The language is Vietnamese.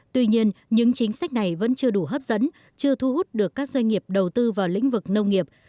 tuy nhiên những chính sách này vẫn chưa đủ hấp dẫn chưa thu hút được các doanh nghiệp đầu tư vào lĩnh vực nông nghiệp